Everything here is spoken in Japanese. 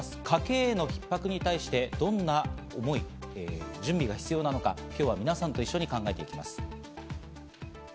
家計への逼迫に対して、どんな思い、準備が必要なのか、今日は皆さんと一緒に考えていきます。